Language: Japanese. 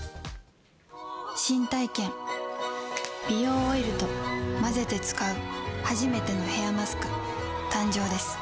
新体験、美容オイルと混ぜて使う初めてのヘアマスク、誕生です。